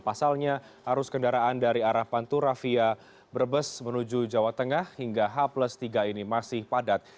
pasalnya arus kendaraan dari arah pantura via brebes menuju jawa tengah hingga h tiga ini masih padat